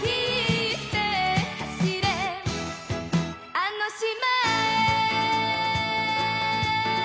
あの島へ」